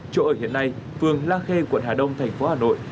chỗ ở hiện nay phường la khê quận hà đông thành phố hà nội